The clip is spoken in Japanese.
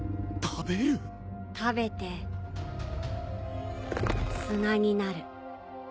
食べて砂になる。